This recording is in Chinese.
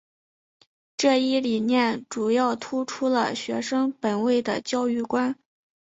这一理念主要突出了学生本位的教育观。